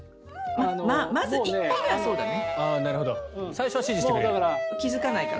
まず、一歩目はそうだね。